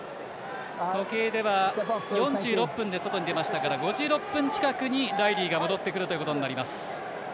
時計では４６分で外に出ましたから５６分近くにライリーが戻ってくることになります。